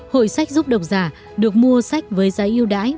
hội sách giúp độc giả được mua sách với giá yêu đãi